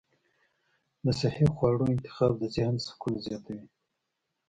د صحي خواړو انتخاب د ذهن سکون زیاتوي.